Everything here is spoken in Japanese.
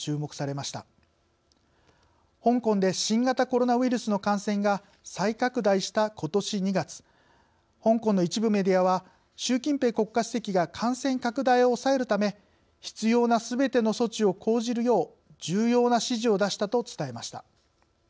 香港で新型コロナウイルスの感染が再拡大したことし２月香港の一部メディアは習近平国家主席が感染拡大を抑えるため必要なすべての措置を講じるよう重要な指示を出したと伝えました。